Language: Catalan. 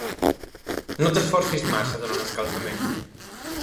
No t'esforcis massa durant l'escalfament.